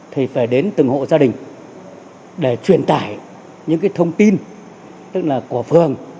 thì phải đến từng hộ gia đình để truyền tải những thông tin của phường